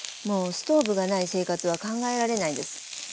もうストーブがない生活は考えられないです。